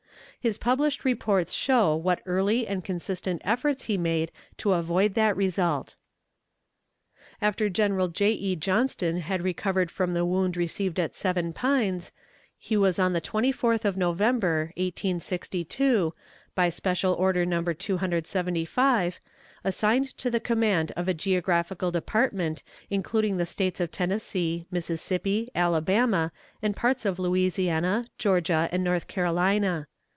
His published reports show what early and consistent efforts he made to avoid that result. After General J. E. Johnston had recovered from the wound received at Seven Pines, he was on the 24th of November, 1862, by special order No. 275, assigned to the command of a geographical department including the States of Tennessee, Mississippi, Alabama, and parts of Louisiana, Georgia, and North Carolina.